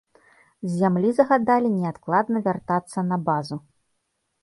З зямлі загадалі неадкладна вяртацца на базу.